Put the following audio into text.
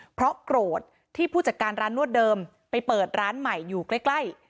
เพราะโกรธที่ผู้จัดการร้านนวดเดิมไปเปิดร้านใหม่อยู่ใกล้